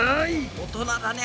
大人だね。